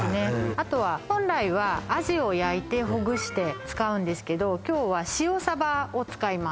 あとは本来はアジを焼いてほぐして使うんですけど今日は塩サバを使います